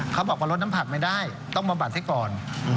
เขาบอกว่าลดน้ำผักไม่ได้ต้องบำบัดให้ก่อน